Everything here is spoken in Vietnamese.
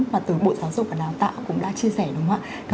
mà từ bộ giáo dục và đào tạo cũng đã chia sẻ đúng không ạ